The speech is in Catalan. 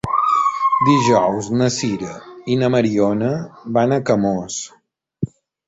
Dijous na Sira i na Mariona van a Camós.